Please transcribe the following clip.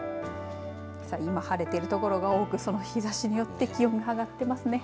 今晴れているところが多くその日ざしによって気温が上がっていますね。